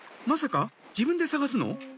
まさか自分で探すの？